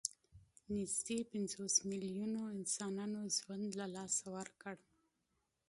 نږدې پنځوس میلیونو انسانانو ژوند له لاسه ورکړ.